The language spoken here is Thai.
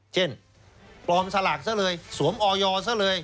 เช่นปลอมสลากซะเลยสวมออยซะเลย